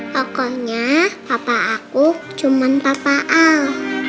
pokoknya bapak aku cuman bapak al